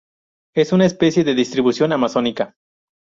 Es una especie de distribución amazónica.